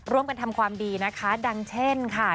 ร่วมกันทำความดีนะคะดังเช่นค่ะ